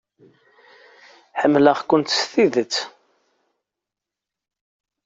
Ḥemmleɣ-kent s tidet.